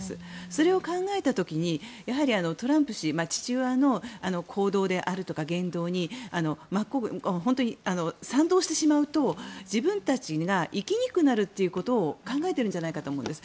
それを考えた時にやはりトランプ氏、父親の行動であるとか言動に本当に賛同してしまうと自分たちが生きにくくなるということを考えているんじゃないかと思うんです。